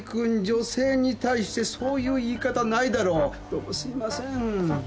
どうもすいません。